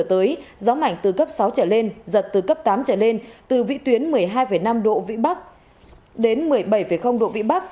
sự gió mạnh nhất vùng gần tâm bão mạnh cấp tám giật từ cấp tám trở lên từ vị tuyến một mươi hai năm độ vĩ bắc đến một mươi bảy độ vĩ bắc